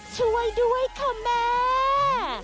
ช่วยด้วยค่ะแม่